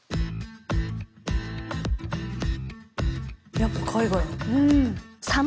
やっぱ海外。